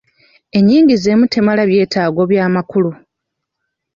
Enyingiza emu temala byeetago by'amakulu.